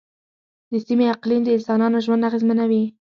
د سیمې اقلیم د انسانانو ژوند اغېزمنوي.